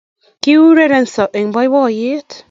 Kiurerenso eng boiboiyet